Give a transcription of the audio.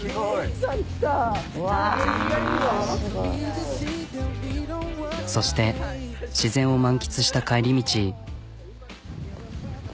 でそして自然を満喫した帰り道。